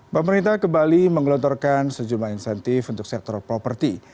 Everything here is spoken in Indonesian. pemerintah kembali menggelontorkan sejumlah insentif untuk sektor properti